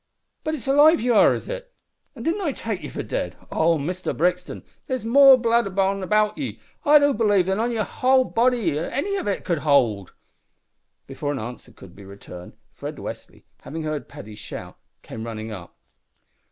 But it's alive ye are, is it? An' didn't I take ye for dead. Oh! Mister Brixton, there's more blood on an' about ye, I do belave, than yer whole body could howld." Before an answer could be returned, Fred Westly, having heard Paddy's shout, came running up.